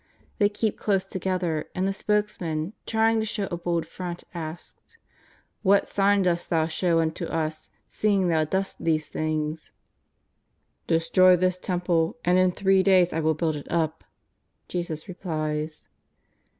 They keep close together, and the spokesman, trying to show a bold front, asks: " AVhat sign dost Thou show unto us, seeing Thou dost these things ?'^" Destroy this Temple, and in three days I will build it up," Jesus replies.